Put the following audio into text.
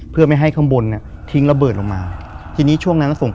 คือก่อนอื่นพี่แจ็คผมได้ตั้งชื่อเอาไว้ชื่อเอาไว้ชื่อเอาไว้ชื่อเอาไว้ชื่อ